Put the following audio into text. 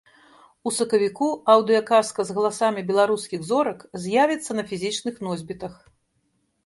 У сакавіку аўдыё-казка з галасамі беларускіх зорак з'явіцца на фізічных носьбітах.